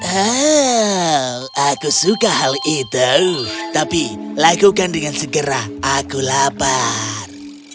oh aku suka tapi lakukan dengan cepat aku lapar